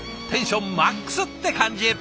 テンションマックスって感じ！